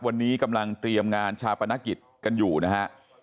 วันนี้กำลังเตรียมงานชาปนกิจกันอยู่นะฮะ